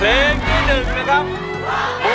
เพลงที่หนึ่งนะครับ